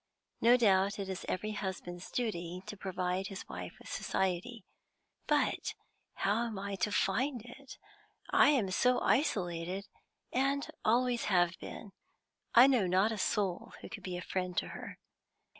No doubt it is every husband's duty to provide his wife with society. But how am I to find it? I am so isolated, and always have been. I know not a soul who could be a friend to her."